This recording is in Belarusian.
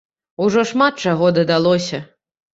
Ужо шмат чаго дадалося.